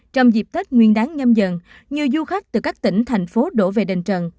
trong dịp tết nguyên đáng nhâm dần nhiều du khách từ các tỉnh thành phố đổ về đền trần